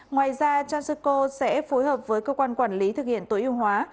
ngoài ra transico sẽ phối hợp với cơ quan quản lý thực hiện tối ưu hóa